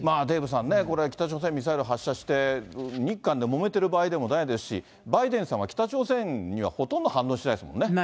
デーブさんね、これ、北朝鮮ミサイル発射して、日韓でもめてる場合でもないですし、バイデンさんは北朝鮮にはほとんど反応してないですもんね。